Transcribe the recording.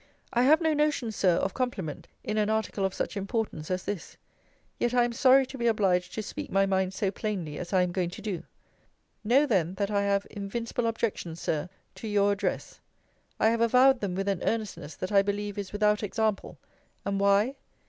I have no notion, Sir, of compliment, in an article of such importance as this: yet I am sorry to be obliged to speak my mind so plainly as I am going to do. Know then, that I have invincible objections, Sir, to your address. I have avowed them with an earnestness that I believe is without example: and why?